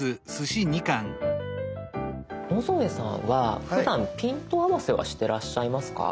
野添さんはふだんピント合わせはしてらっしゃいますか？